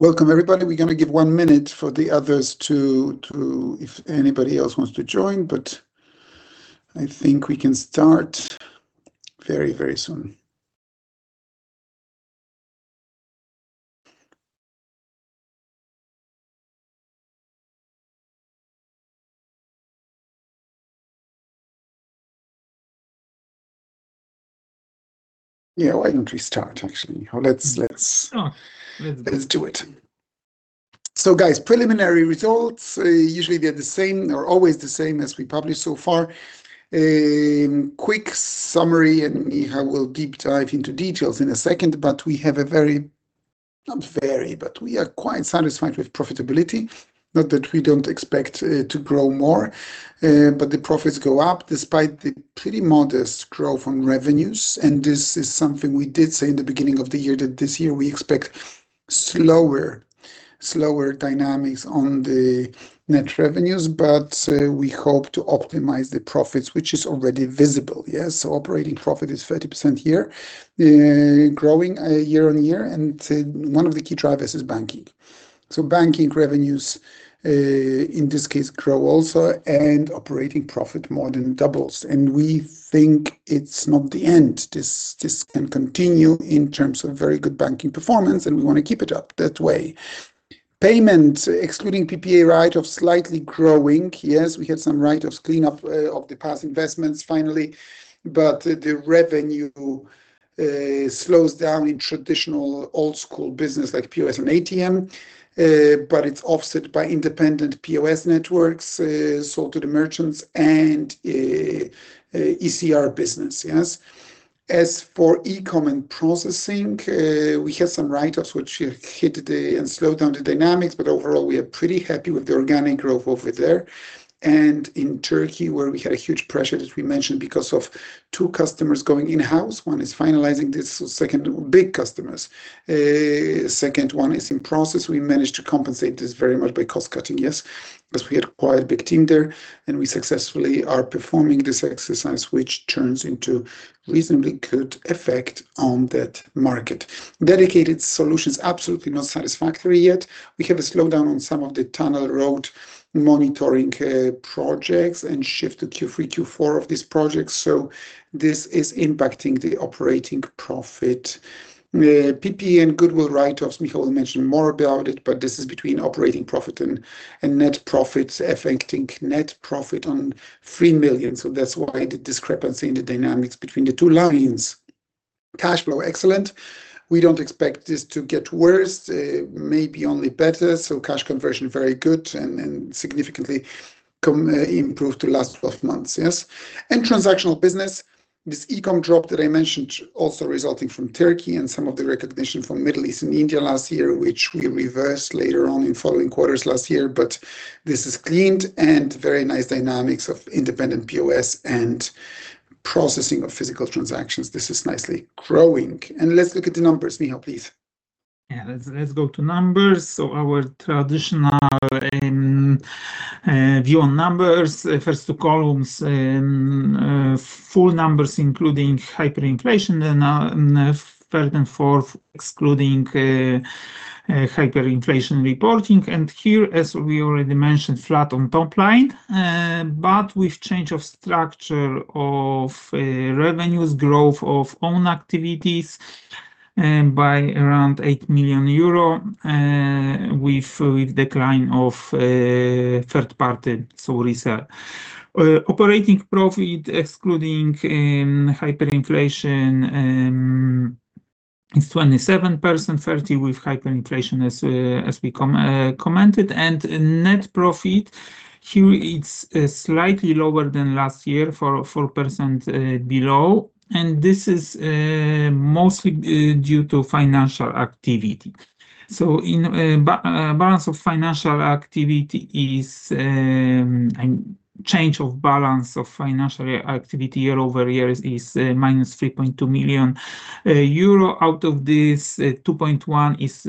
Welcome everybody. We're going to give one minute for the others, if anybody else wants to join, I think we can start very soon. Why don't we start, actually? Let's do it. Let's do it. Guys, preliminary results, usually they're the same or always the same as we published so far. A quick summary, Michał will deep dive into details in a second, we have a very, not very, but we are quite satisfied with profitability. Not that we don't expect to grow more, the profits go up despite the pretty modest growth on revenues. This is something we did say in the beginning of the year, that this year we expect slower dynamics on the net revenues, we hope to optimize the profits, which is already visible. Operating profit is 30% here, growing year-on-year, one of the key drivers is banking. Banking revenues, in this case, grow also operating profit more than doubles. We think it's not the end. This can continue in terms of very good banking performance, we want to keep it up that way. Payment, excluding PPA write-off, slightly growing. We had some write-offs, cleanup of the past investments finally. The revenue slows down in traditional old school business like POS and ATM, it's offset by independent POS networks sold to the merchants and ECR business. As for e-com and processing, we had some write-ups, which hit and slowed down the dynamics, overall, we are pretty happy with the organic growth over there. In Turkey, where we had a huge pressure, as we mentioned, because of two customers going in-house. One is finalizing this, second big customers. Second one is in process. We managed to compensate this very much by cost-cutting. Because we had quite a big team there and we successfully are performing this exercise, which turns into reasonably good effect on that market. Dedicated Solutions, absolutely not satisfactory yet. We have a slowdown on some of the tunnel road monitoring projects and shift to Q3-Q4 of these projects, so this is impacting the operating profit. PPA and goodwill write-offs, Michał will mention more about it, but this is between operating profit and net profits affecting net profit on 3 million. That's why the discrepancy in the dynamics between the two lines. Cash flow, excellent. We don't expect this to get worse, maybe only better. Cash conversion, very good and significantly improved the last 12 months. Yes. Transactional business, this e-com drop that I mentioned, also resulting from Turkey and some of the recognition from Middle East and India last year, which we reversed later on in following quarters last year. This is cleaned and very nice dynamics of independent POS and processing of physical transactions. This is nicely growing. Let's look at the numbers. Michał, please. Let's go to numbers. Our traditional view on numbers, first two columns, full numbers, including hyperinflation, and third and fourth, excluding hyperinflation reporting. Here, as we already mentioned, flat on top-line, but with change of structure of revenues, growth of own activities, by around 8 million euro, with decline of third-party, so resell. Operating profit, excluding hyperinflation, is 27%, 30% with hyperinflation, as we commented. Net profit, here it's slightly lower than last year, 4% below, and this is mostly due to financial activity. Balance of financial activity, change of balance of financial activity year-over-year is -3.2 million euro. Out of this, 2.1 million is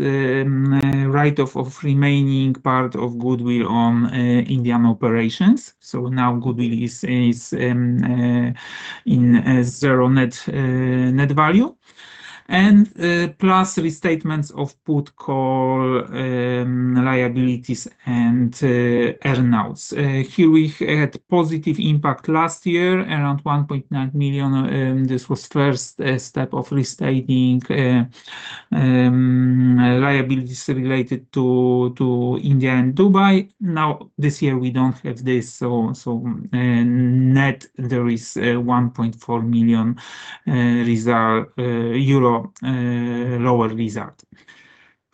write-off of remaining part of goodwill on Indian operations. Now goodwill is in zero net value. Plus restatements of put call liabilities and earnouts. Here we had positive impact last year, around 1.9 million. This was first step of restating liabilities related to India and Dubai. This year, we don't have this, net, there is 1.4 million euro lower result.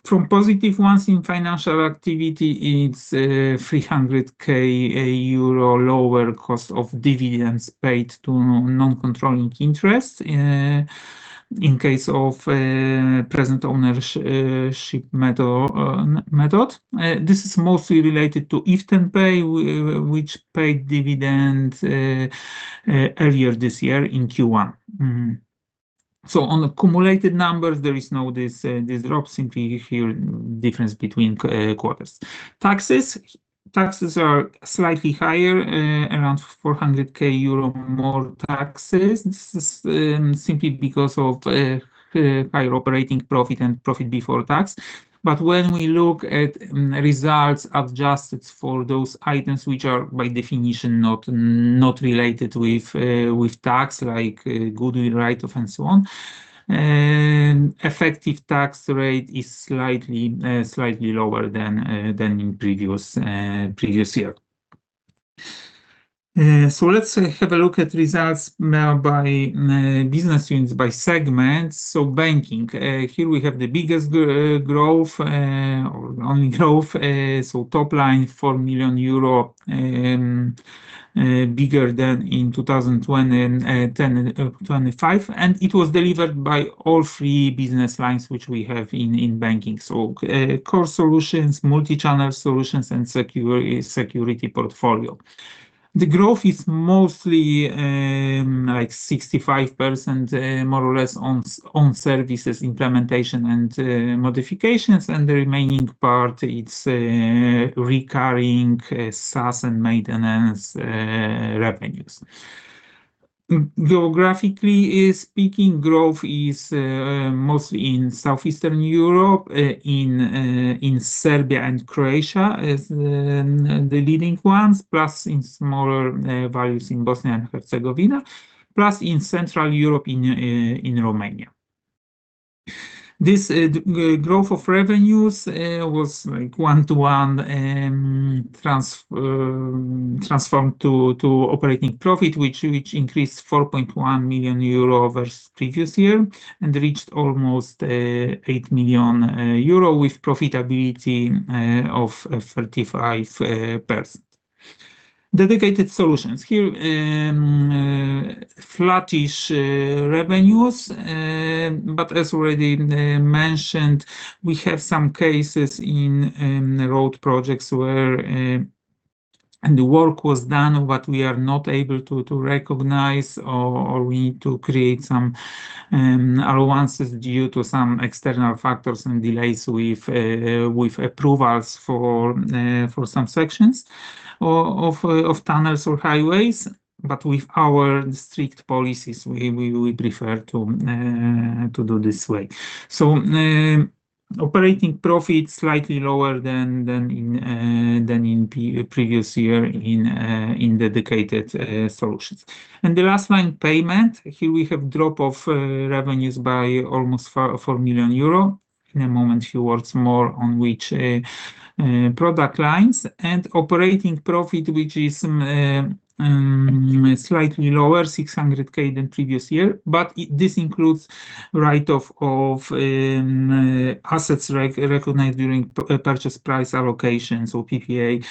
From positive ones in financial activity, it's 300,000 euro lower cost of dividends paid to non-controlling interests in case of present ownership interest. This is mostly related to ifthenpay, which paid dividend earlier this year in Q1. On accumulated numbers, there is now this drop simply here, difference between quarters. Taxes are slightly higher, around 400,000 euro more taxes. This is simply because of higher operating profit and profit before tax. When we look at results adjusted for those items, which are by definition not related with tax, like goodwill write-off and so on, effective tax rate is slightly lower than in previous year. Let's have a look at results by business units, by segment. Banking. Here we have the biggest growth, or only growth, top-line EUR 4 million, bigger than in 2025. It was delivered by all three business lines which we have in Banking. Core Solutions, Multichannel Solutions and Security Portfolio. The growth is mostly, like 65%, more or less, on services implementation and modifications, and the remaining part, it's recurring SaaS and maintenance revenues. Geographically speaking, growth is mostly in Southeastern Europe, in Serbia and Croatia as the leading ones, plus in smaller values in Bosnia and Herzegovina, plus in Central Europe in Romania. This growth of revenues was 1:1 transformed to operating profit, which increased 4.1 million euro versus previous year and reached almost 8 million euro with profitability of 35%. Dedicated Solutions. Here, flattish revenues. As already mentioned, we have some cases in road projects where the work was done, but we are not able to recognize or we need to create some allowances due to some external factors and delays with approvals for some sections of tunnels or highways. With our strict policies, we prefer to do this way. Operating profit slightly lower than in previous year in Dedicated Solutions. The last line, Payment. Here we have drop of revenues by almost 4 million euro. In a moment, few words more on which product lines. Operating profit, which is slightly lower, 600,000, than previous year, but this includes write-off of assets recognized during Purchase Price Allocations or PPA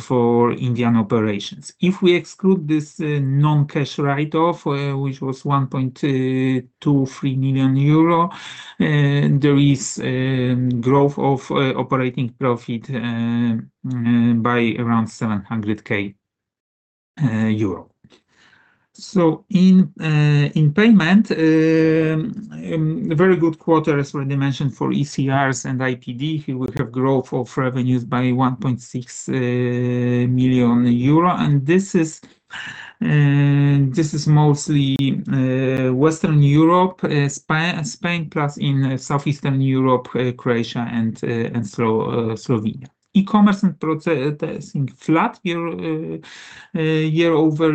for Indian operations. If we exclude this non-cash write-off, which was 1.23 million euro, there is growth of operating profit by around 700,000 euro. In Payment, very good quarter, as already mentioned, for ECRs and IPD. Here we have growth of revenues by 1.6 million euro. This is mostly Western Europe, Spain, plus in Southeastern Europe, Croatia and Slovenia. E-commerce and processing, flat year-over-year. However,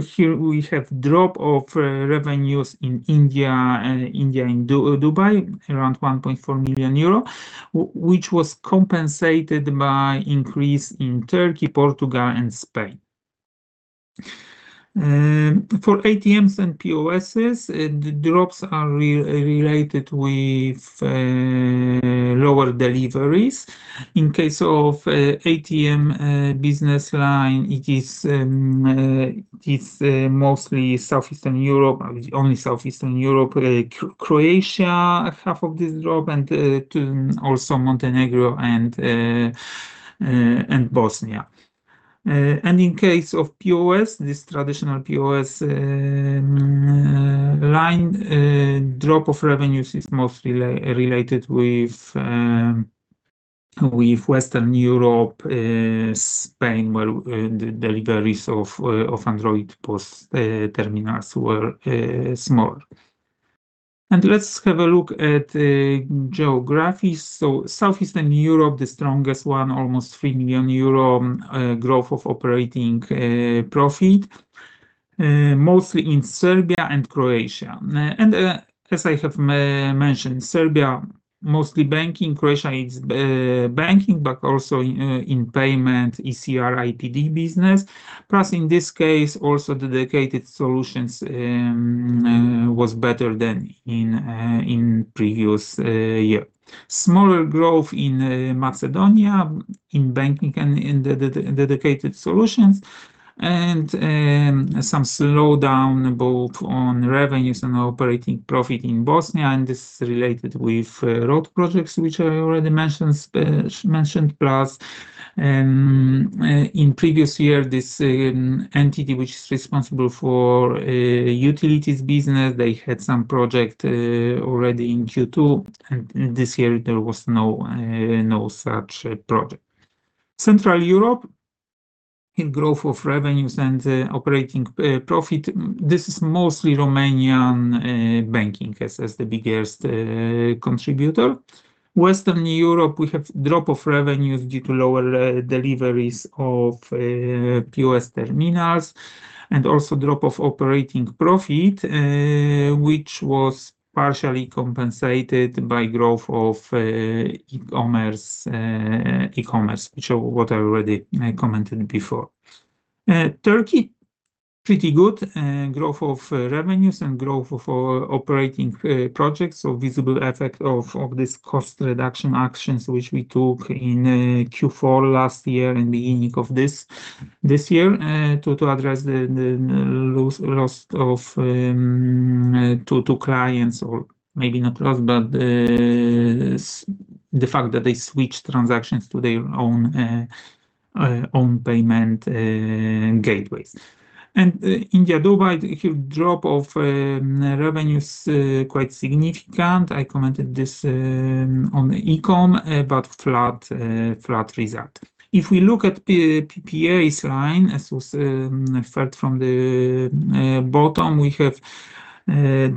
here we have drop of revenues in India and Dubai, around 1.4 million euro, which was compensated by increase in Turkey, Portugal and Spain. For ATMs and POSs, the drops are related with lower deliveries. In case of ATM business line, it's mostly Southeastern Europe, only Southeastern Europe, Croatia, half of this drop, and to also Montenegro and Bosnia. In case of POS, this traditional POS line, drop of revenues is mostly related with Western Europe, Spain, where the deliveries of Android POS terminals were small. Let's have a look at geographies. Southeastern Europe, the strongest one, almost 3 million euro growth of operating profit, mostly in Serbia and Croatia. As I have mentioned, Serbia, mostly Banking. Croatia is Banking, but also in Payment, ECR, IPD business. Plus, in this case, also Dedicated Solutions was better than in previous year. Smaller growth in Macedonia, in Banking and in Dedicated Solutions. Some slowdown both on revenues and operating profit in Bosnia, and this is related with road projects, which I already mentioned. Plus, in previous year, this entity which is responsible for utilities business, they had some project already in Q2, and this year there was no such project. Central Europe. In growth of revenues and operating profit, this is mostly Romanian Banking as the biggest contributor. Western Europe, we have drop of revenues due to lower deliveries of POS terminals and also drop of operating profit, which was partially compensated by growth of e-commerce, which what I already commented before. Turkey, pretty good growth of revenues and growth of operating profit. Visible effect of this cost reduction actions which we took in Q4 last year and beginning of this year, to address the loss to clients, or maybe not loss, but the fact that they switched transactions to their own payment gateways. India Dubai, here drop of revenues quite significant. I commented this on the e-com, but flat result. If we look at PPA line, as was third from the bottom, we have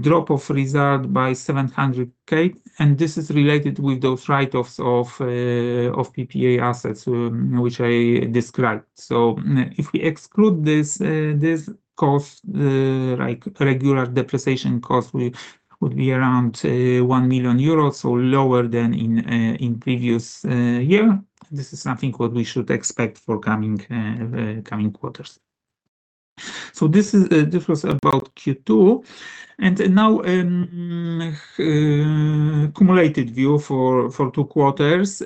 drop of result by 700,000, and this is related with those write-offs of PPA assets, which I described. If we exclude this cost, like regular depreciation cost, would be around 1 million euros, so lower than in previous year. This is something what we should expect for coming quarters. This was about Q2, and now cumulated view for two quarters.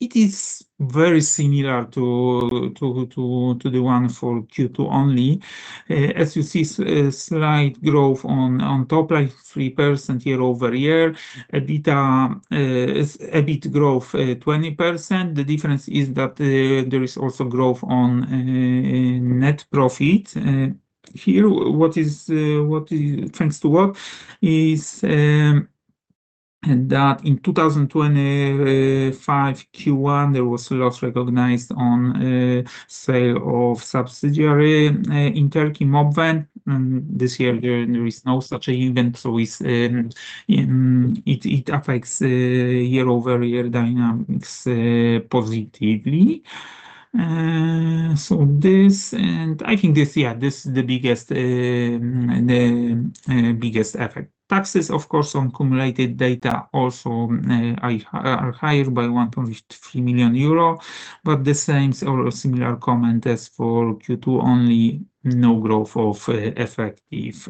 It is very similar to the one for Q2 only. As you see, slight growth on top-line, 3% year-over-year. EBIT growth 20%. The difference is that there is also growth on net profit. Here, thanks to what, is that in 2025 Q1, there was a loss recognized on sale of subsidiary in Turkey, Mobven. This year, there is no such event, so it affects year-over-year dynamics positively. I think, yeah, this is the biggest effect. Taxes, of course, on cumulated data also are higher by 1.3 million euro, but the same or similar comment as for Q2, only no growth of effective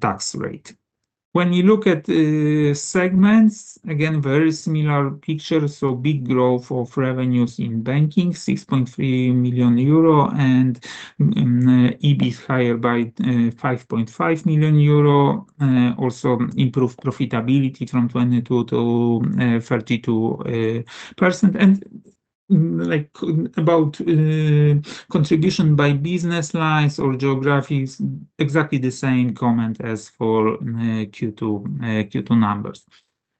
tax rate. When you look at segments, again, very similar picture. Big growth of revenues in Banking Solutions, 6.3 million euro, and EBIT higher by 5.5 million euro. Also improved profitability from 22%-32%. About contribution by business lines or geographies, exactly the same comment as for Q2 numbers.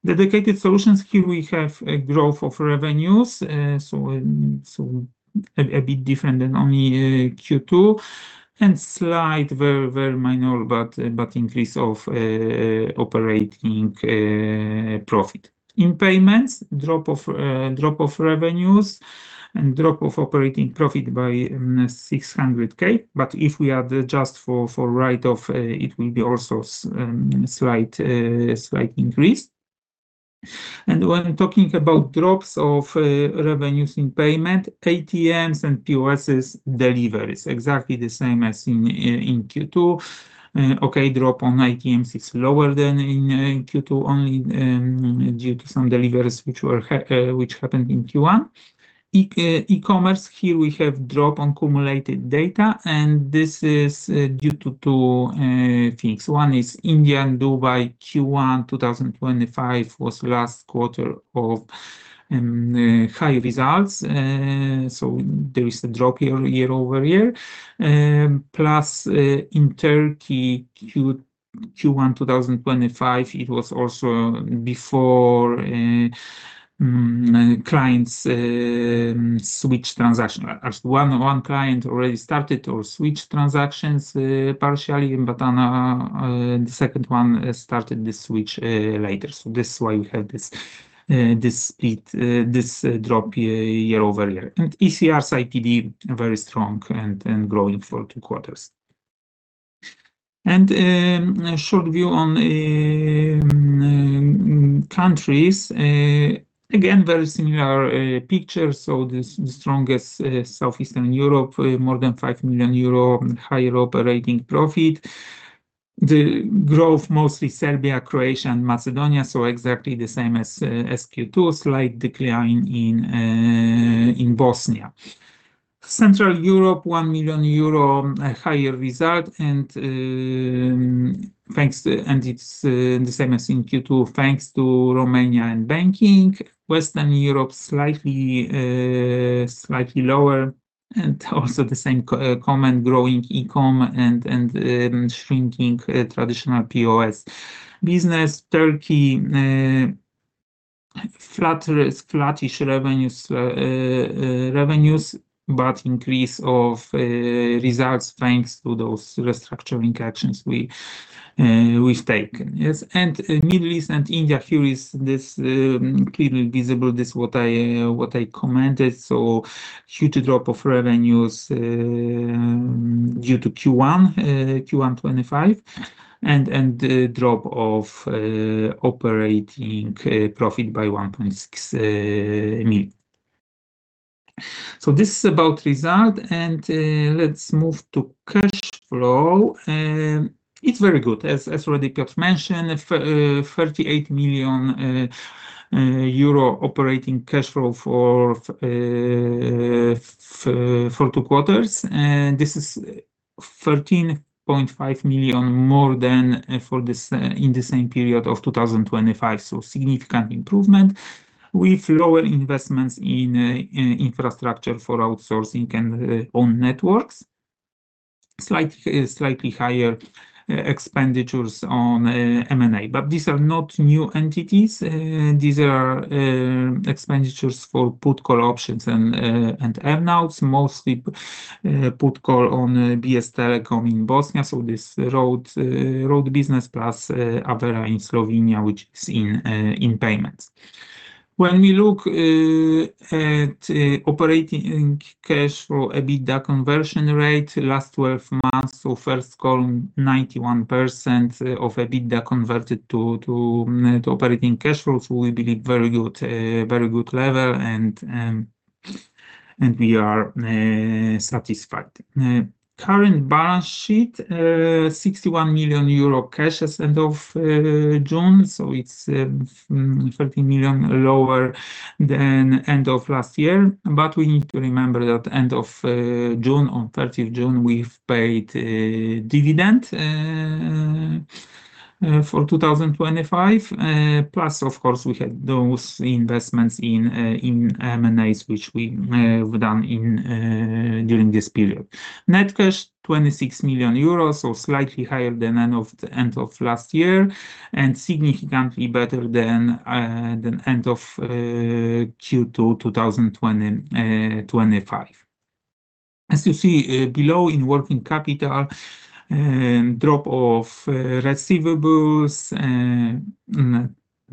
Dedicated Solutions, here we have a growth of revenues, so a bit different than only Q2, and slight, very, very minor, but increase of operating profit. In Payments, drop of revenues and drop of operating profit by 600,000. If we adjust for write-off, it will be also slight increase. When talking about drops of revenues in Payment, ATMs and POS deliveries, exactly the same as in Q2. Drop on ATMs is lower than in Q2, only due to some deliveries which happened in Q1. E-commerce, here we have drop on cumulated data, this is due to two things. One is India and Dubai Q1 2025 was last quarter of high results, so there is a drop year-over-year. Plus in Turkey Q1 2025, it was also before clients switched transactions. One client already started or switched transactions partially, but the second one started the switch later. This is why we have this drop year-over-year. ECRs IPD, very strong and growing for two quarters. A short view on countries. Again, very similar picture. The strongest, South Eastern Europe, more than 5 million euro higher operating profit. The growth mostly Serbia, Croatia, and Macedonia, so exactly the same as Q2. Slight decline in Bosnia. Central Europe, 1 million euro higher result. It's the same as in Q2, thanks to Romania and Banking. Western Europe, slightly lower. Also the same comment, growing e-com and shrinking traditional POS business. Turkey, flattish revenues, but increase of results thanks to those restructuring actions we've taken. Middle East and India, here is this clearly visible, this what I commented. Huge drop of revenues due to Q1 2025 and drop of operating profit by 1.6 million. This is about result. Let's move to cash flow. It's very good. As already Piotr mentioned, 38 million euro operating cash flow for two quarters. This is 13.5 million more than in the same period of 2025, so significant improvement with lower investments in infrastructure for outsourcing and own networks. Slightly higher expenditures on M&A. These are not new entities. These are expenditures for put call options and earn-outs, mostly put call on BS Telecom in Bosnia, so this road business, plus Avera in Slovenia, which is in Payments. When we look at operating cash flow, EBITDA conversion rate last 12 months, so first column, 91% of EBITDA converted to net operating cash flows. We believe very good level and we are satisfied. Current balance sheet, 61 million euro cash as end of June, so it's 13 million lower than end of last year. We need to remember that end of June, on 30 June, we've paid dividend for 2025. Plus, of course, we had those investments in M&As which we have done during this period. Net cash, 26 million euros, so slightly higher than end of last year and significantly better than end of Q2 2025. You see below in working capital, drop of receivables,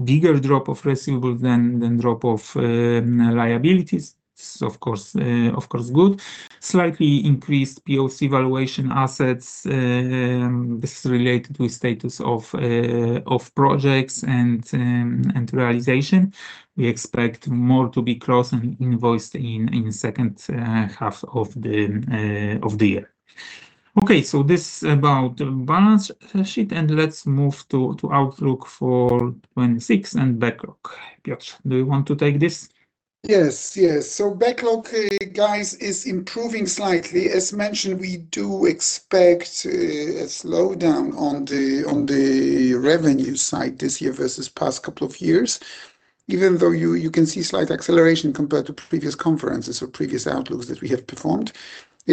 bigger drop of receivables than drop of liabilities. This is, of course, good. Slightly increased POC valuation assets. This is related with status of projects and realization. We expect more to be closed and invoiced in second half of the year. This about balance sheet. Let's move to outlook for 2026 and backlog. Piotr, do you want to take this? Backlog, guys, is improving slightly. Mentioned, we do expect a slowdown on the revenue side this year versus past couple of years, even though you can see slight acceleration compared to previous conferences or previous outlooks that we have performed.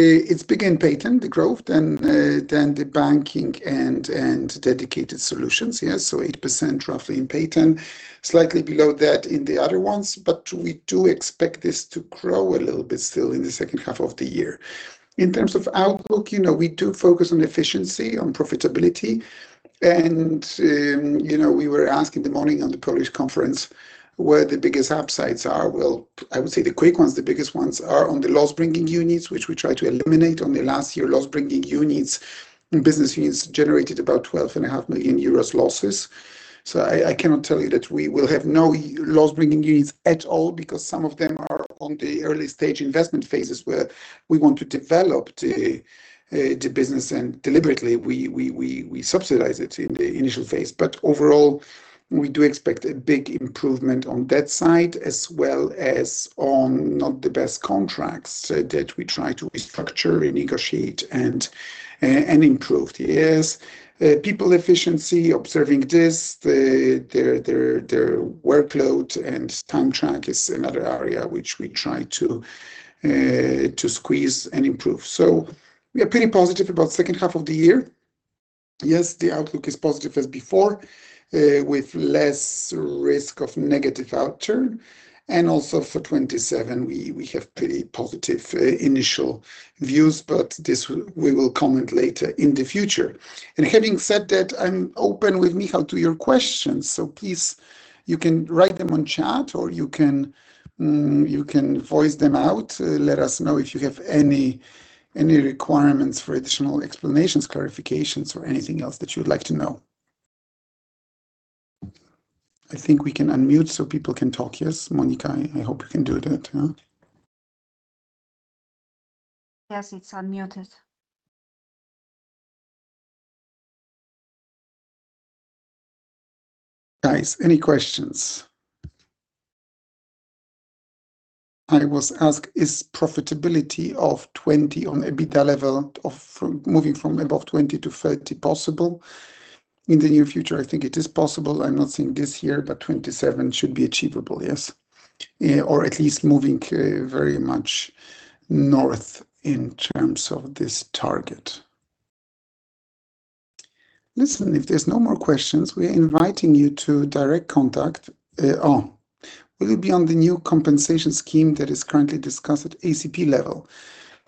It's big in Payten, the growth, than the Banking Solutions and Dedicated Solutions. 8% roughly in Payten, slightly below that in the other ones. We do expect this to grow a little bit still in the second half of the year. In terms of outlook, we do focus on efficiency, on profitability. We were asked in the morning on the Polish conference, where the biggest upsides are. I would say the quick ones, the biggest ones are on the loss-bringing units, which we try to eliminate. Only last year, loss-bringing units and business units generated about 12.5 million euros losses. I cannot tell you that we will have no loss-bringing units at all, because some of them are on the early stage investment phases, where we want to develop the business and deliberately, we subsidize it in the initial phase. Overall, we do expect a big improvement on that side as well as on not the best contracts that we try to restructure and negotiate and improve. People efficiency, observing this, their workload and time track is another area which we try to squeeze and improve. We are pretty positive about second half of the year. The outlook is positive as before, with less risk of negative outturn. Also for 2027, we have pretty positive initial views, but this we will comment later in the future. Having said that, I'm open with Michał to your questions. Please, you can write them on chat or you can voice them out. Let us know if you have any requirements for additional explanations, clarifications, or anything else that you would like to know. I think we can unmute so people can talk. Monika, I hope you can do that. It's unmuted. Guys, any questions? I was asked, is profitability of 20% on EBITDA level of moving from above 20%-30% possible in the near future? I think it is possible. I'm not saying this year, but 2027 should be achievable. Or at least moving very much north in terms of this target. If there's no more questions, we are inviting you to direct contact. Will you be on the new compensation scheme that is currently discussed at ACP level?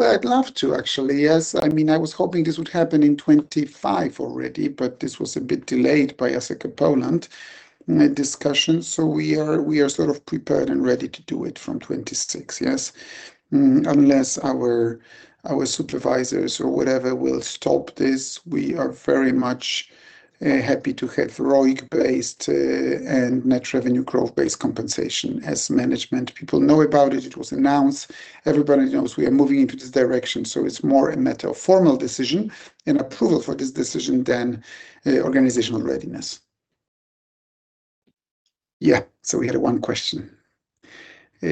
I'd love to, actually. I was hoping this would happen in 2025 already, but this was a bit delayed by Asseco Poland discussion. We are sort of prepared and ready to do it from 2026. Unless our supervisors or whatever will stop this. We are very much happy to have ROIC-based and net revenue growth-based compensation. As management, people know about it. It was announced. Everybody knows we are moving into this direction, so it's more a matter of formal decision and approval for this decision than organizational readiness. We had one question. I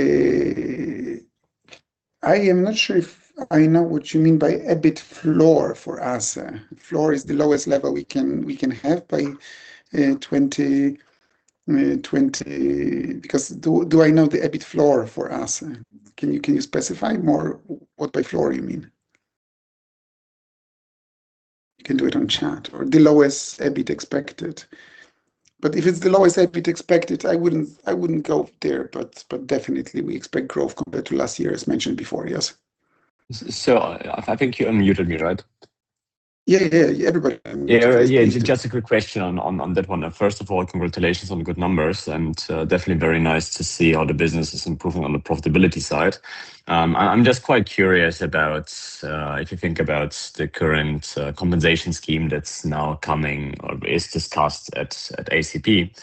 am not sure if I know what you mean by EBIT floor for us. Floor is the lowest level we can have by 2020, because do I know the EBIT floor for us? Can you specify more what by floor you mean? You can do it on chat or the lowest EBIT expected, if it's the lowest EBIT expected, I wouldn't go there. Definitely we expect growth compared to last year as mentioned before. I think you unmuted me, right? Everybody unmuted. Just a quick question on that one. First of all, congratulations on the good numbers and definitely very nice to see how the business is improving on the profitability side. I'm just quite curious about, if you think about the current compensation scheme that's now coming or is discussed at ACP.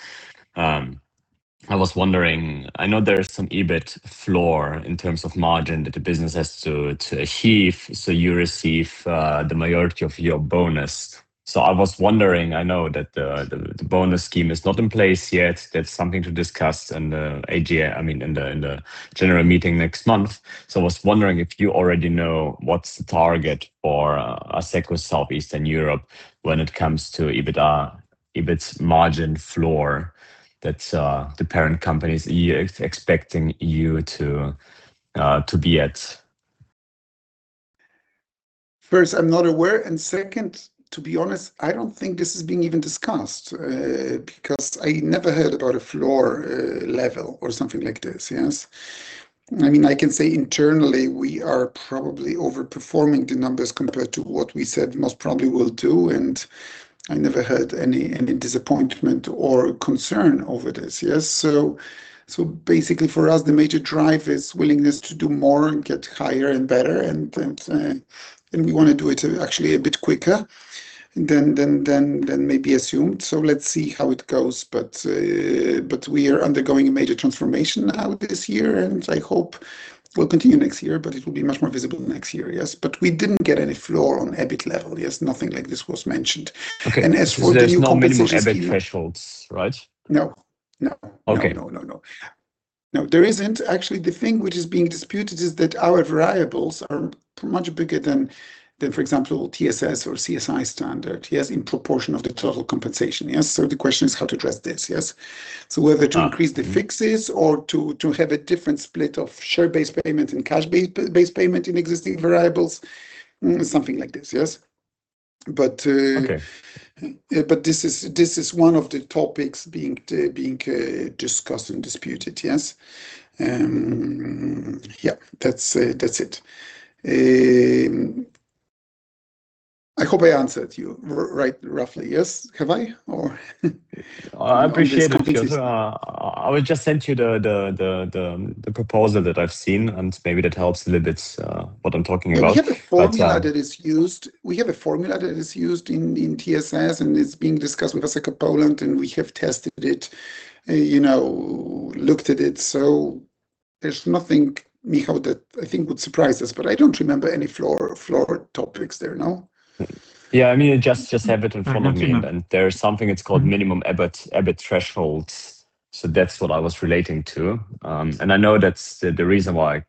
I was wondering, I know there is some EBIT floor in terms of margin that the business has to achieve, you receive the majority of your bonus. I was wondering, I know that the bonus scheme is not in place yet. That's something to discuss in the General Meeting next month. I was wondering if you already know what's the target for Asseco South Eastern Europe when it comes to EBIT margin floor that the parent company is expecting you to be at. First, I'm not aware, and second, to be honest, I don't think this is being even discussed, because I never heard about a floor level or something like this. Yes. I can say internally we are probably over-performing the numbers compared to what we said most probably we'll do, and I never heard any disappointment or concern over this. Yes. Basically for us, the major drive is willingness to do more and get higher and better, and we want to do it actually a bit quicker than maybe assumed. Let's see how it goes. We are undergoing a major transformation now this year, and I hope we'll continue next year, but it will be much more visible next year. Yes. We didn't get any floor on EBIT level. Yes. Nothing like this was mentioned. As for the new compensation scheme. Okay. There's no minimum EBIT thresholds, right? No. Okay. No. No, there isn't. Actually, the thing which is being disputed is that our variables are much bigger than, for example, TSS or CSI standard in proportion of the total compensation. Yes. The question is how to address this. Yes. Whether to increase the fixes or to have a different split of share-based payment and cash-based payment in existing variables, something like this. Yes. Okay. This is one of the topics being discussed and disputed. Yes. That's it. I hope I answered you right, roughly. Yes. I appreciate it, Piotr. I will just send you the proposal that I've seen, and maybe that helps a little bit what I'm talking about. We have a formula that is used in TSS. It's being discussed with Asseco Poland. We have tested it, looked at it. There's nothing, Michał, that I think would surprise us, but I don't remember any floor topics there, no. Yeah, just have it in front of me now. There is something that's called minimum EBIT thresholds. That's what I was relating to. I know that the reason why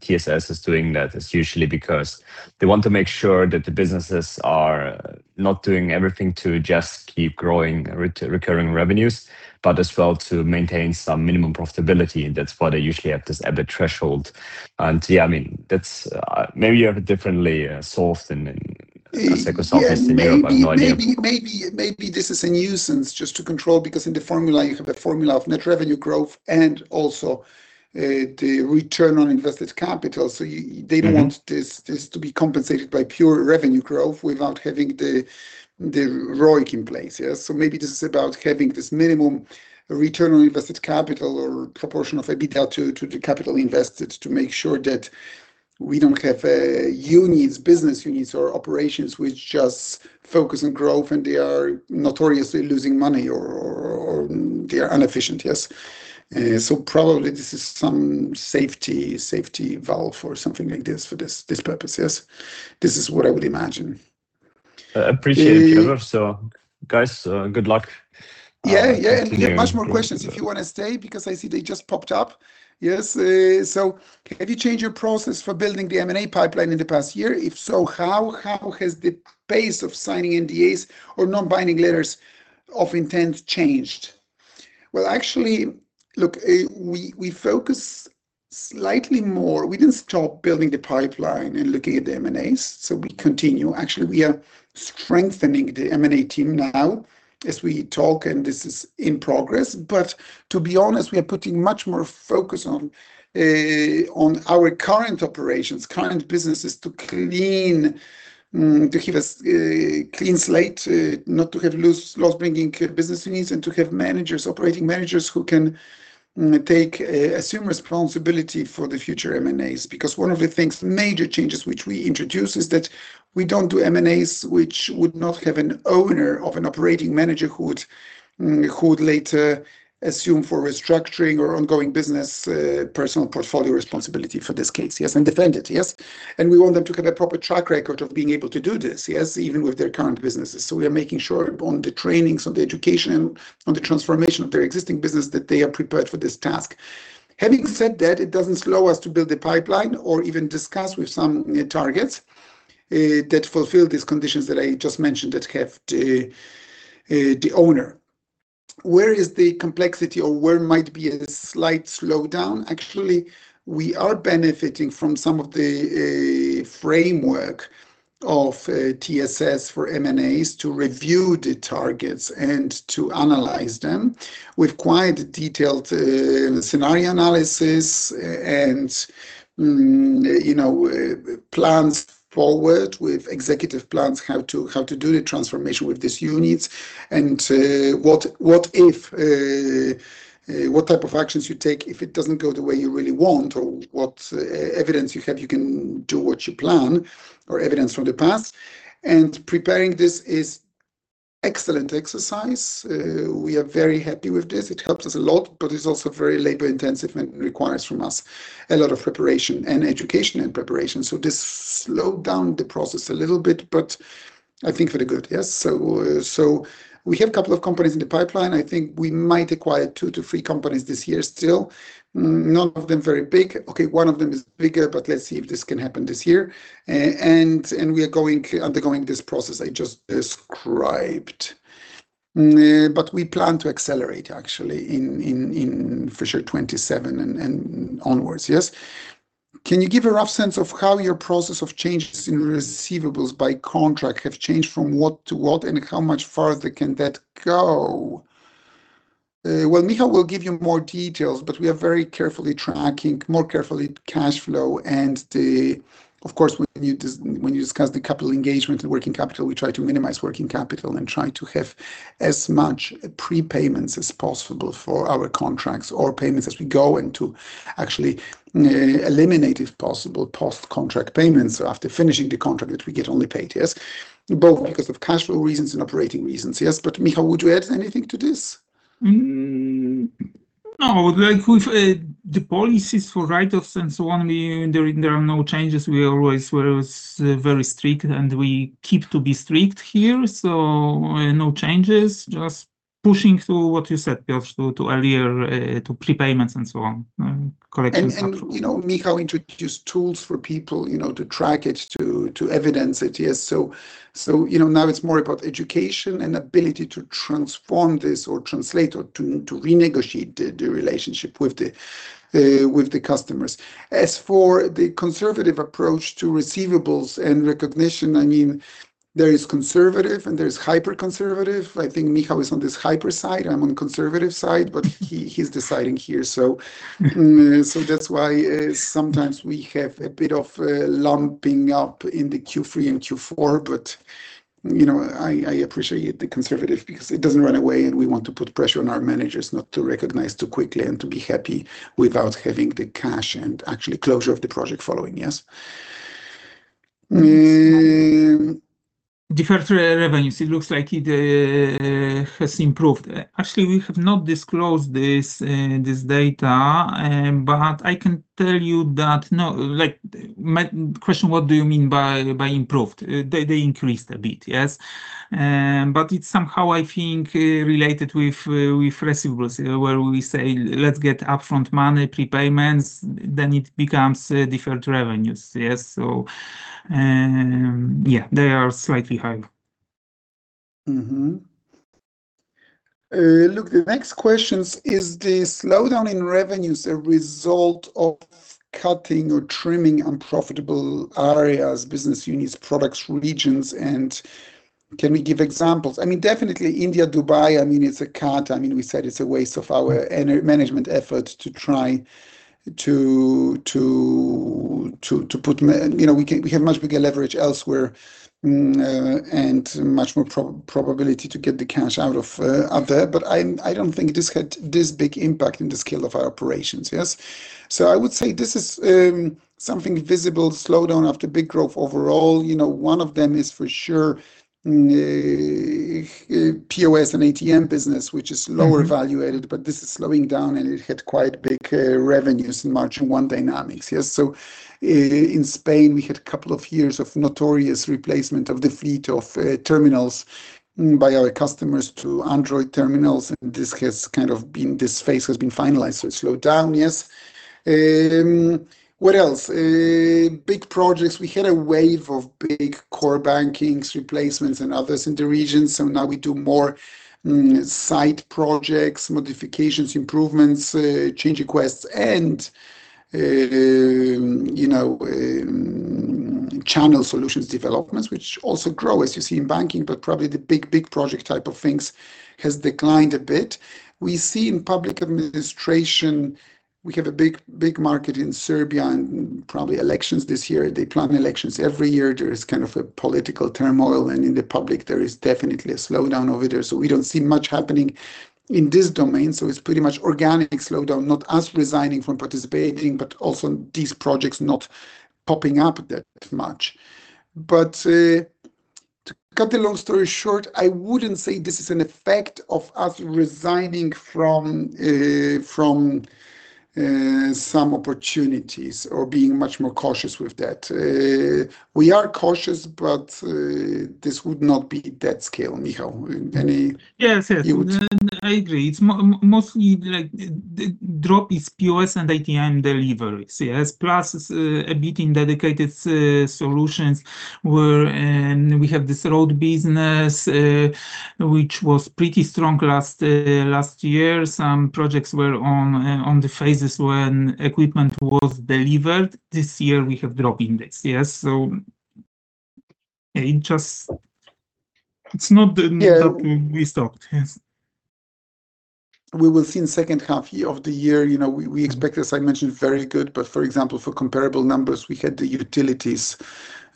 TSS is doing that is usually because they want to make sure that the businesses are not doing everything to just keep growing recurring revenues, but as well to maintain some minimum profitability. That's why they usually have this EBIT threshold. Yeah, maybe you have it differently solved in Asseco South Eastern Europe. I have no idea. Maybe this is a nuisance just to control, because in the formula you have a formula of net revenue growth and also the return on invested capital. They don't want this to be compensated by pure revenue growth without having the ROIC in place. Yes. Maybe this is about having this minimum return on invested capital or proportion of EBITDA to the capital invested to make sure that we don't have units, business units or operations which just focus on growth and they are notoriously losing money or they are inefficient. Yes. Probably this is some safety valve or something like this for this purpose. Yes. This is what I would imagine. I appreciate it, Piotr. Guys, good luck. We have much more questions if you want to stay, because I see they just popped up. Yes. Have you changed your process for building the M&A pipeline in the past year? If so, how has the pace of signing NDAs or non-binding letters of intent changed? Well, actually, look, we focus slightly more. We didn't stop building the pipeline and looking at the M&As, we continue. Actually, we are strengthening the M&A team now as we talk, and this is in progress. But to be honest, we are putting much more focus on our current operations, current businesses to give us a clean slate, not to have loss-bringing business units, and to have operating managers who can take assumed responsibility for the future M&As. One of the major changes which we introduced is that we don't do M&As which would not have an owner of an operating manager who would later assume for restructuring or ongoing business, personal portfolio responsibility for this case, yes, and defend it. Yes? We want them to have a proper track record of being able to do this, yes, even with their current businesses. We are making sure on the trainings, on the education, and on the transformation of their existing business, that they are prepared for this task. Having said that, it doesn't slow us to build the pipeline or even discuss with some targets that fulfill these conditions that I just mentioned, that have the owner. Where is the complexity or where might be a slight slowdown? Actually, we are benefiting from some of the framework of TSS for M&As to review the targets and to analyze them with quite detailed scenario analysis and plans forward with executive plans, how to do the transformation with these units and what type of actions you take if it doesn't go the way you really want, or what evidence you have you can do what you plan, or evidence from the past. Preparing this is excellent exercise. We are very happy with this. It helps us a lot, but it's also very labor-intensive and requires from us a lot of preparation and education. This slowed down the process a little bit, but I think for the good. Yes. We have a couple of companies in the pipeline. I think we might acquire two to three companies this year still. None of them very big. Okay, one of them is bigger, but let's see if this can happen this year. We are undergoing this process I just described. We plan to accelerate actually in fiscal 2027 and onwards. Yes. Can you give a rough sense of how your process of changes in receivables by contract have changed from what to what, and how much farther can that go? Well, Michał will give you more details, but we are very carefully tracking, more carefully cash flow and of course, when you discuss the capital engagement and working capital, we try to minimize working capital and try to have as much prepayments as possible for our contracts or payments as we go and to actually eliminate, if possible, post-contract payments after finishing the contract that we get only paid. Yes. Both because of cash flow reasons and operating reasons. Yes. Michał, would you add anything to this? No. With the policies for write-offs and so on, there are no changes. We always were very strict, and we keep to be strict here, no changes. Just pushing through what you said, Piotr, to earlier, to prepayments and so on, collections. Michał introduced tools for people to track it, to evidence it. Yes. Now it's more about education and ability to transform this or translate or to renegotiate the relationship with the customers. As for the conservative approach to receivables and recognition, there is conservative and there is hyper-conservative. I think Michał is on this hyper side. I'm on conservative side, but he's deciding here. That's why sometimes we have a bit of lumping up in the Q3 and Q4. I appreciate the conservative because it doesn't run away, and we want to put pressure on our managers not to recognize too quickly and to be happy without having the cash and actually closure of the project following. Yes. Deferred revenues, it looks like it has improved. Actually, we have not disclosed this data, but I can tell you that no. Question, what do you mean by improved? They increased a bit. Yes. It's somehow, I think, related with receivables, where we say let's get upfront money, prepayments, then it becomes deferred revenues. Yes. Yeah, they are slightly higher. Look, the next question is the slowdown in revenues a result of cutting or trimming unprofitable areas, business units, products, regions, and can we give examples? Definitely India, Dubai, it's a cut. We said it's a waste of our management effort to try to. We have much bigger leverage elsewhere and much more probability to get the cash out of there. I don't think this had this big impact in the scale of our operations. Yes. I would say this is something visible, slowdown after big growth overall. One of them is for sure POS and ATM business, which is lower evaluated, but this is slowing down, and it had quite big revenues in margin, one dynamics. Yes. In Spain, we had a couple of years of notorious replacement of the fleet of terminals by our customers to Android terminals, and this phase has been finalized, it slowed down. Yes. What else? Big projects. We had a wave of big core bankings replacements and others in the region, now we do more site projects, modifications, improvements, change requests, and Channel solutions developments, which also grow as you see in banking, probably the big project type of things has declined a bit. We see in public administration, we have a big market in Serbia and probably elections this year. They plan elections every year. There is a political turmoil, and in the public, there is definitely a slowdown over there. We don't see much happening in this domain. It's pretty much organic slowdown, not us resigning from participating, but also these projects not popping up that much. To cut the long story short, I wouldn't say this is an effect of us resigning from some opportunities or being much more cautious with that. We are cautious, but this would not be that scale, Michał. Yes. You would- I agree. It's mostly like the drop is POS and ATM deliveries, yes. Plus a bit in Dedicated Solutions where we have this road business, which was pretty strong last year. Some projects were on the phases when equipment was delivered. This year we have DROP INDEX. Yes. It's not that we stopped. Yes. We will see in second half of the year. We expect, as I mentioned, very good, but for example, for comparable numbers, we had the utilities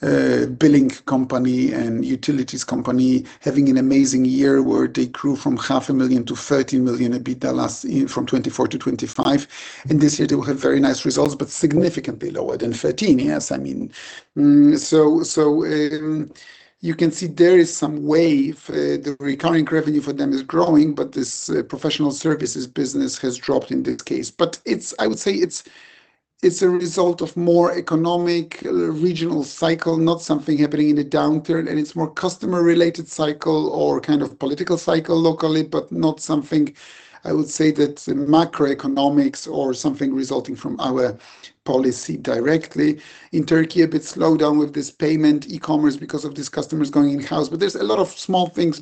billing company and utilities company having an amazing year where they grew from 500,000-13 million EBITDA from 2024 to 2025. This year, they will have very nice results, but significantly lower than 13 million. Yes. You can see there is some wave. The recurring revenue for them is growing, but this professional services business has dropped in that case. I would say it's a result of more economic regional cycle, not something happening in a downturn, and it's more customer-related cycle or kind of political cycle locally, but not something I would say that macroeconomics or something resulting from our policy directly. In Turkey, a bit slowdown with this payment e-commerce because of these customers going in-house. There's a lot of small things,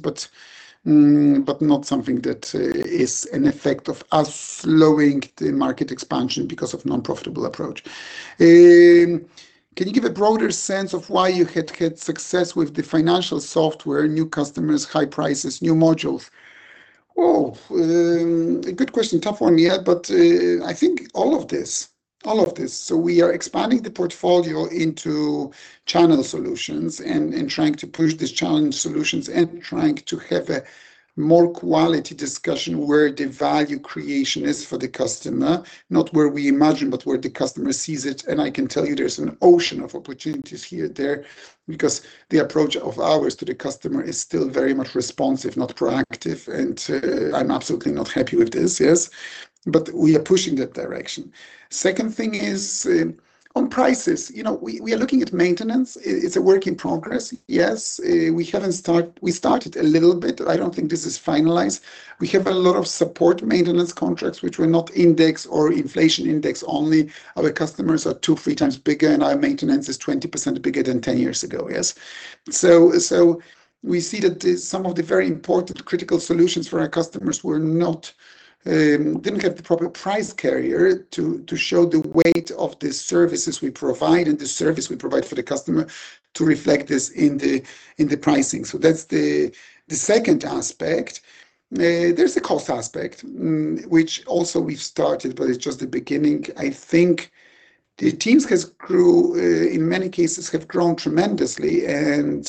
but not something that is an effect of us slowing the market expansion because of non-profitable approach. Can you give a broader sense of why you had success with the financial software, new customers, high prices, new modules? Good question. Tough one, yeah, I think all of this. We are expanding the portfolio into channel solutions and trying to push these channel solutions and trying to have a more quality discussion where the value creation is for the customer, not where we imagine, but where the customer sees it. I can tell you there's an ocean of opportunities here, there, because the approach of ours to the customer is still very much responsive, not proactive. I'm absolutely not happy with this. Yes. We are pushing that direction. Second thing is on prices. We are looking at maintenance. It's a work in progress. Yes. We started a little bit. I don't think this is finalized. We have a lot of support maintenance contracts which were not index or inflation index only. Our customers are 2x-3x bigger, and our maintenance is 20% bigger than 10 years ago. Yes. We see that some of the very important critical solutions for our customers didn't get the proper price carrier to show the weight of the services we provide and the service we provide for the customer to reflect this in the pricing. That's the second aspect. There's a cost aspect, which also we've started, but it's just the beginning. I think the teams, in many cases, have grown tremendously, and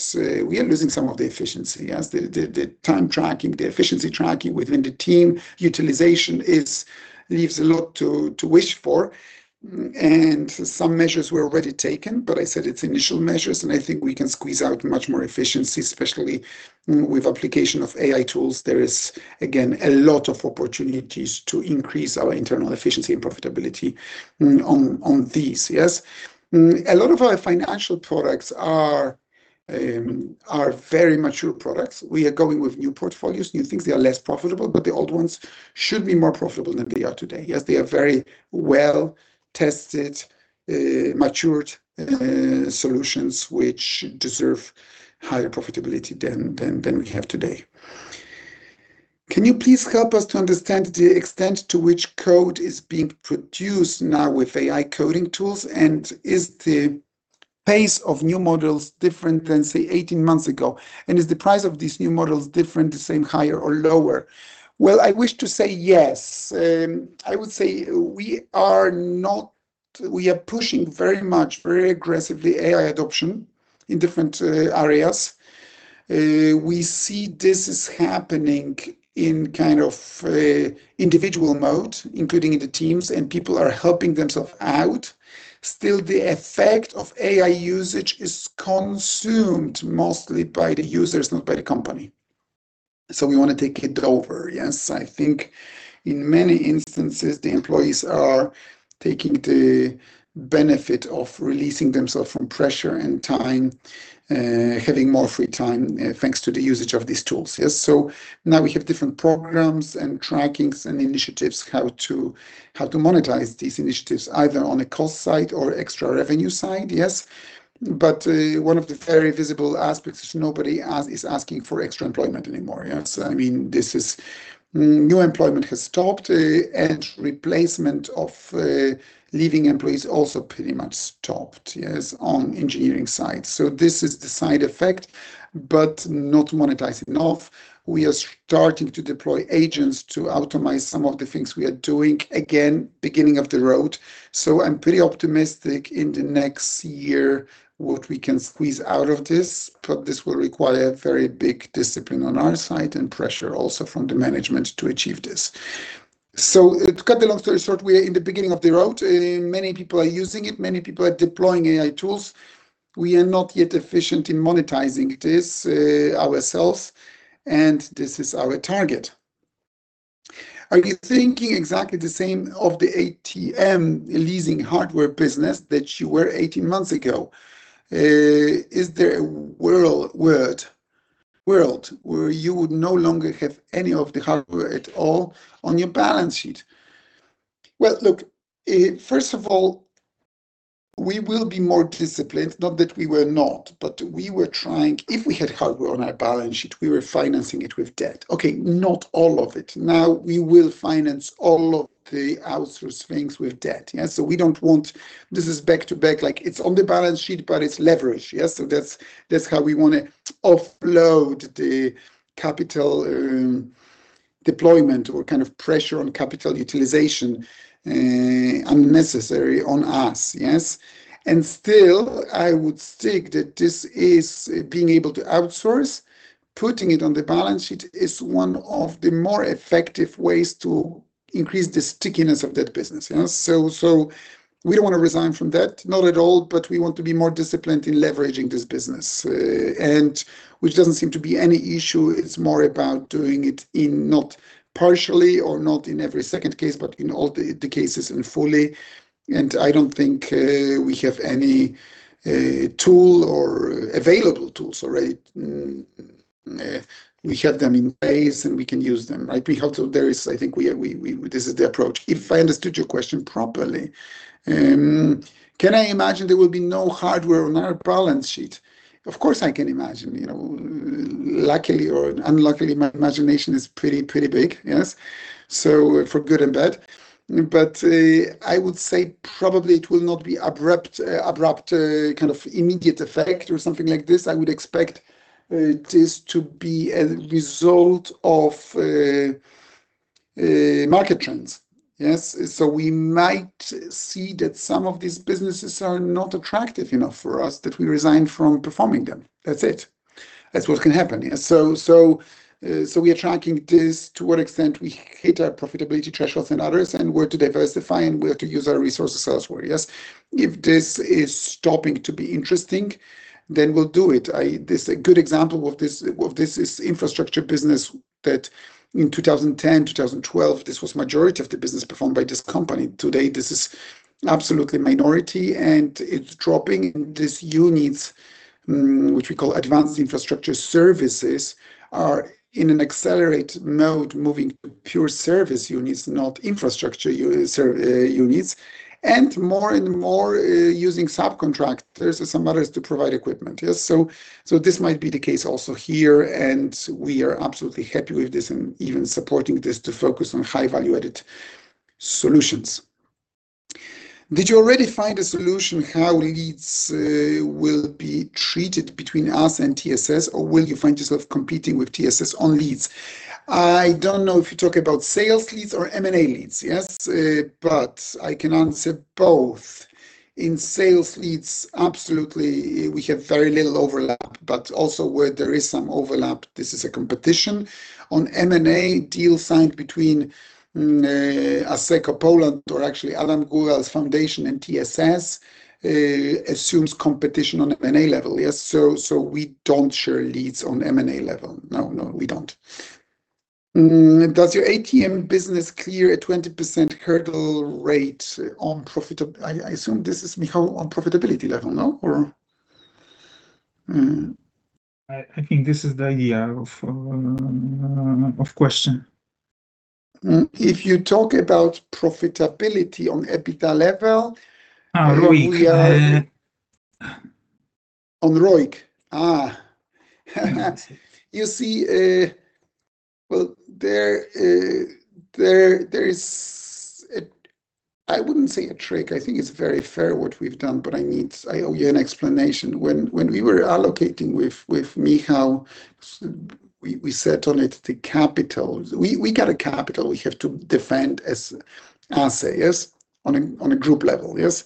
we are losing some of the efficiency as the time tracking, the efficiency tracking within the team utilization leaves a lot to wish for. Some measures were already taken, but I said it's initial measures, and I think we can squeeze out much more efficiency, especially with application of AI tools. There is, again, a lot of opportunities to increase our internal efficiency and profitability on these. Yes. A lot of our financial products are very mature products. We are going with new portfolios, new things. They are less profitable, but the old ones should be more profitable than they are today. Yes, they are very well-tested, matured solutions which deserve higher profitability than we have today. Can you please help us to understand the extent to which code is being produced now with AI coding tools? And is the pace of new models different than, say, 18 months ago? And is the price of these new models different, the same, higher, or lower? Well, I wish to say yes. I would say we are pushing very much, very aggressively AI adoption in different areas. We see this is happening in kind of individual mode, including in the teams, and people are helping themself out. Still, the effect of AI usage is consumed mostly by the users, not by the company. We want to take it over. Yes. I think in many instances, the employees are taking the benefit of releasing themselves from pressure and time, having more free time thanks to the usage of these tools. Yes. Now we have different programs and trackings and initiatives how to monetize these initiatives, either on a cost side or extra revenue side. Yes. One of the very visible aspects is nobody is asking for extra employment anymore. Yes. New employment has stopped and replacement of leaving employees also pretty much stopped, yes, on engineering side. This is the side effect, but not monetizing enough. We are starting to deploy agents to automate some of the things we are doing. Again, beginning of the road. I'm pretty optimistic in the next year what we can squeeze out of this. This will require very big discipline on our side and pressure also from the management to achieve this. To cut the long story short, we are in the beginning of the road. Many people are using it, many people are deploying AI tools. We are not yet efficient in monetizing this ourselves, and this is our target. Are you thinking exactly the same of the ATM leasing hardware business that you were 18 months ago? Is there a world where you would no longer have any of the hardware at all on your balance sheet? First of all, we will be more disciplined. Not that we were not, but we were trying. If we had hardware on our balance sheet, we were financing it with debt. Not all of it. Now we will finance all of the outsourced things with debt. This is back-to-back, like it's on the balance sheet, but it's leverage. That's how we want to offload the capital deployment or kind of pressure on capital utilization unnecessary on us. Still, I would stick that this is being able to outsource. Putting it on the balance sheet is one of the more effective ways to increase the stickiness of that business. We don't want to resign from that, not at all, but we want to be more disciplined in leveraging this business, and which doesn't seem to be any issue. It's more about doing it in not partially or not in every second case, but in all the cases and fully, and I don't think we have any tool or available tools already. We have them in place, and we can use them, right? We have to. I think this is the approach, if I understood your question properly. Can I imagine there will be no hardware on our balance sheet? Of course, I can imagine. Luckily or unluckily, my imagination is pretty big. For good and bad. I would say probably it will not be abrupt, kind of immediate effect or something like this. I would expect this to be a result of market trends. We might see that some of these businesses are not attractive enough for us, that we resign from performing them. That's it. That's what can happen. We are tracking this to what extent we hit our profitability thresholds and others, and where to diversify and where to use our resources elsewhere. If this is stopping to be interesting, then we'll do it. A good example of this is infrastructure business that in 2010, 2012, this was majority of the business performed by this company. Today, this is absolutely minority, and it's dropping these units, which we call advanced infrastructure services, are in an accelerated mode, moving to pure service units, not infrastructure units. More and more using subcontractors or some others to provide equipment. This might be the case also here, and we are absolutely happy with this and even supporting this to focus on high value-added solutions. Did you already find a solution how leads will be treated between us and TSS, or will you find yourself competing with TSS on leads? I don't know if you're talking about sales leads or M&A leads. Yes. I can answer both. In sales leads, absolutely, we have very little overlap, but also where there is some overlap, this is a competition. On M&A deal signed between Asseco Poland or actually Adam Góral's foundation and TSS assumes competition on M&A level. Yes. We don't share leads on M&A level. No, we don't. Does your ATM business clear a 20% hurdle rate on profitability level, no? Or I think this is the idea of question. If you talk about profitability on EBITDA level. Oh, ROIC. We are on ROIC. You see, well, there is, I wouldn't say a trick, I think it's very fair what we've done, but I owe you an explanation. When we were allocating with Michał, we settled the capital. We got a capital we have to defend as ASEE. Yes. On a group level. Yes.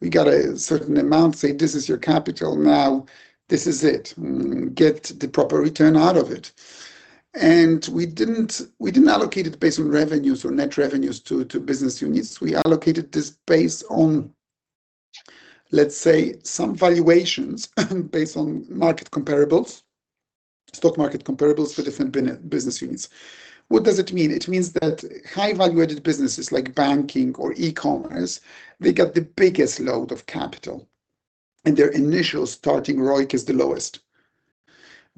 We got a certain amount, say this is your capital now. This is it. Get the proper return out of it. We didn't allocate it based on revenues or net revenues to business units. We allocated this based on, let's say, some valuations based on market comparables, stock market comparables for different business units. What does it mean? It means that high-valuated businesses like Banking or e-commerce, they got the biggest load of capital, and their initial starting ROIC is the lowest.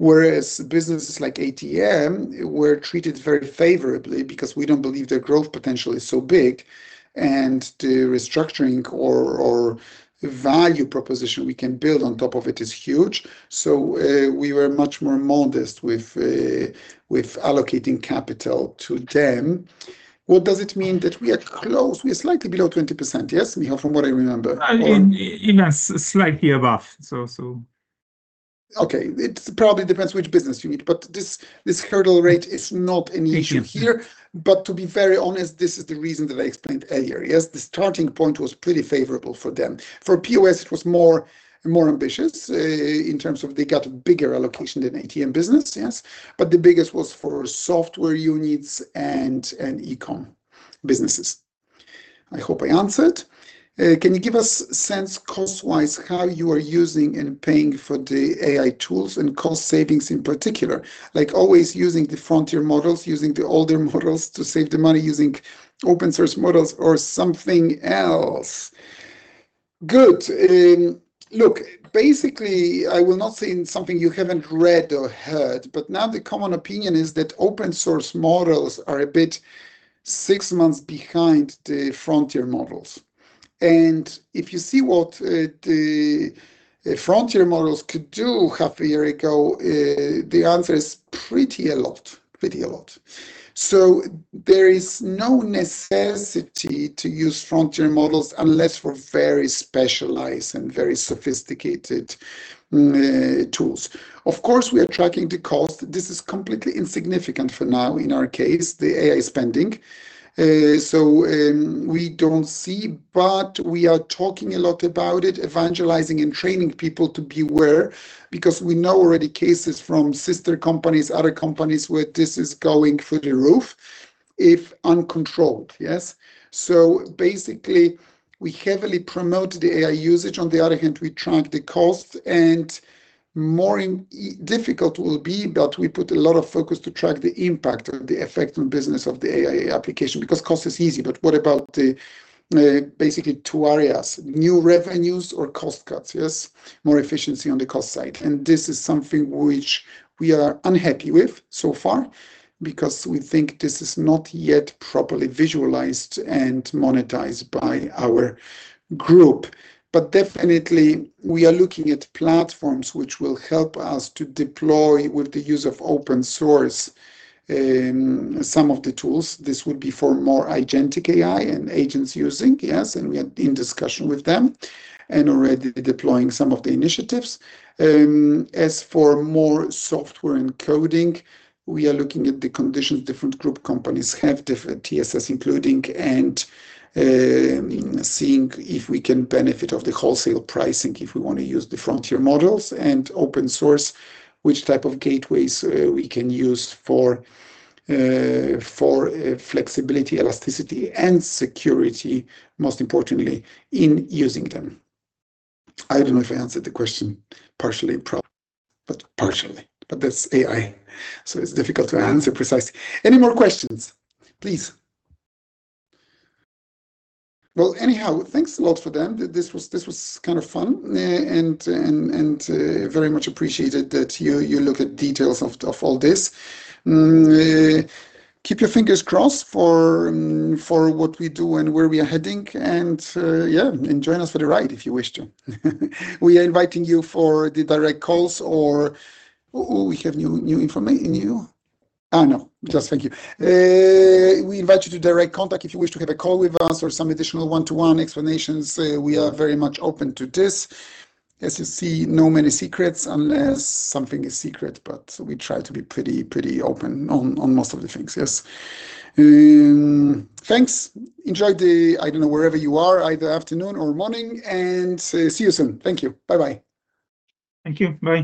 Businesses like ATM were treated very favorably because we don't believe their growth potential is so big, and the restructuring or value proposition we can build on top of it is huge, so we were much more modest with allocating capital to them. What does it mean? That we are close, we are slightly below 20%. Yes, Michał, from what I remember. It is slightly above. Okay. It probably depends which business unit, but this hurdle rate is not an issue here. To be very honest, this is the reason that I explained earlier. Yes, the starting point was pretty favorable for them. For POS, it was more ambitious, in terms of they got a bigger allocation than ATM business. Yes. The biggest was for software units and e-com businesses. I hope I answered. Can you give us sense cost-wise how you are using and paying for the AI tools and cost savings in particular? Like always using the frontier models, using the older models to save the money, using open source models or something else? Good. Look, basically, I will not say something you haven't read or heard, but now the common opinion is that open source models are a bit six months behind the frontier models. If you see what the frontier models could do half a year ago, the answer is pretty a lot. There is no necessity to use frontier models unless for very specialized and very sophisticated tools. Of course, we are tracking the cost. This is completely insignificant for now in our case, the AI spending. We don't see, but we are talking a lot about it, evangelizing and training people to beware, because we know already cases from sister companies, other companies, where this is going through the roof if uncontrolled. Yes. Basically, we heavily promote the AI usage. On the other hand, we track the cost, and more difficult will be that we put a lot of focus to track the impact or the effect on business of the AI application, because cost is easy. What about the basically two areas, new revenues or cost cuts? Yes. More efficiency on the cost side. This is something which we are unhappy with so far because we think this is not yet properly visualized and monetized by our group. Definitely we are looking at platforms which will help us to deploy with the use of open source some of the tools. This would be for more agentic AI and agents using. We are in discussion with them and already deploying some of the initiatives. As for more software and coding, we are looking at the conditions different group companies have, different TSS including, and seeing if we can benefit of the wholesale pricing if we want to use the frontier models and open source, which type of gateways we can use for flexibility, elasticity, and security, most importantly, in using them. I don't know if I answered the question partially, probably, but partially. That's AI, so it's difficult to answer precisely. Any more questions? Please. Well, anyhow, thanks a lot for them. This was kind of fun and very much appreciated that you look at details of all this. Keep your fingers crossed for what we do and where we are heading and join us for the ride if you wish to. We are inviting you for the direct calls or Oh, we have new information. You? No. Just thank you. We invite you to direct contact if you wish to have a call with us or some additional 1:1 explanations. We are very much open to this. As you see, not many secrets unless something is secret, but we try to be pretty open on most of the things, yes. Thanks. Enjoy the, I don't know, wherever you are, either afternoon or morning, and see you soon. Thank you. Bye-bye. Thank you. Bye.